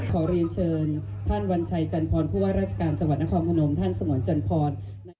ขอเรียนเชิญท่านวัญชัยจันพรผู้ว่าราชการจังหวัดนครพนมท่านสงวนจันทร